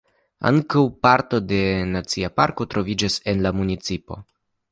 Ankaŭ parto de nacia parko troviĝas en la municipo.